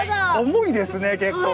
重いですね、結構。